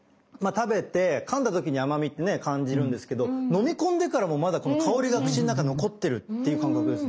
食べてかんだ時に甘みってね感じるんですけど飲み込んでからもまだこの香りが口の中残ってるっていう感覚ですね。